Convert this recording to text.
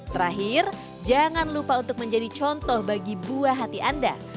terakhir jangan lupa untuk menjadi contoh bagi buah hati anda